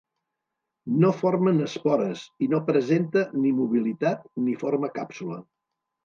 No formen espores i no presenta ni mobilitat ni forma càpsula.